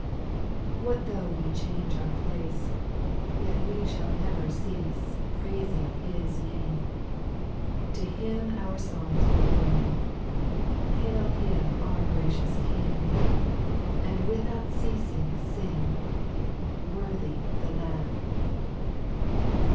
What though we change our place, Yet we shall never cease Praising His name : To Him our songs we bring, Hail Him our gracious King, And without ceasing sing, "Worthy the LMnXiV* 6 62 SPIRITUAL SONGS. 5.